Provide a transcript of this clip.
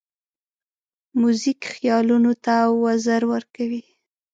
موزیک خیالونو ته وزر ورکوي.